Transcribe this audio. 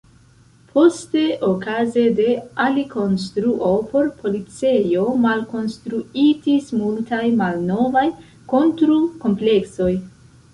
Poste okaze de alikonstruo por policejo malkonstruitis multaj malnovaj kontrukompleksoj.